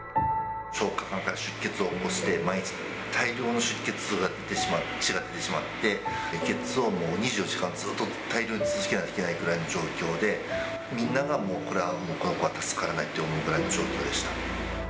消化管から出血を起こして、毎日大量の出血が出てしまう、血が出てしまって、輸血をもう２４時間、ずっと大量に続けないといけないくらいの状況で、みんながもう、これはもう、この子は助からないという状況でした。